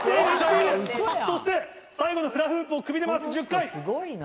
そして最後のフラフープを首で回す１０回。